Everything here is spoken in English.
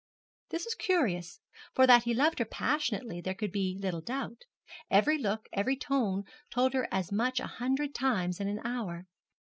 This was curious; for that he loved her passionately there could be little doubt. Every look, every tone told her as much a hundred times in an hour.